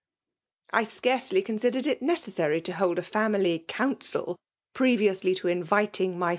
'' I scarcely considered it necessary to hold a family council previously to inviting my